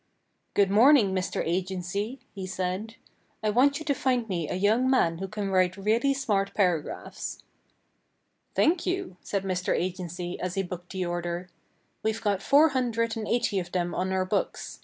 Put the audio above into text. "Good morning, Mr. Agency," he said. "I want you to find me a young man who can write really smart paragraphs." "Thank you," said Mr. Agency as he booked the order. "We've got four hundred and eighty of them on our books.